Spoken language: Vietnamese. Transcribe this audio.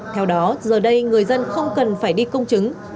theo đó giờ đây người dân không cần phải đi công chứng